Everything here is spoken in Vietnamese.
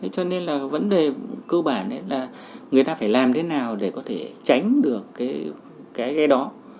cho nên là vấn đề cơ bản là người ta phải làm thế nào để có thể tránh được cái đó